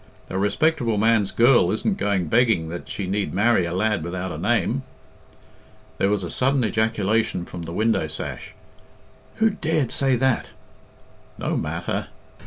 A respectable man's girl isn't going begging that she need marry a lad without a name." There was a sudden ejaculation from the window sash. "Who dared to say that?" "No matter."